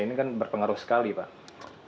ini kan berpengaruh sekali pak